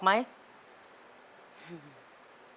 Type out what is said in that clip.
มุมทุกหลืบของบ้านเราพอจะนึกออก